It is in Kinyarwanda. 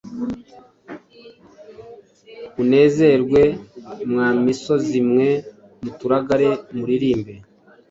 unezerwe; mwa misozi mwe, muturagare muririmbe,